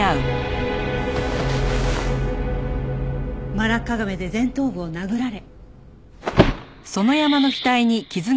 マラッカガメで前頭部を殴られ。